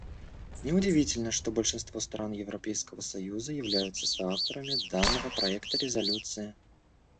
Неудивительно, что большинство стран Европейского союза являются соавторами данного проекта резолюции.